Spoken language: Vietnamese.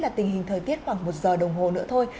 là tình hình thời tiết khoảng một giờ đồng hồ nữa thôi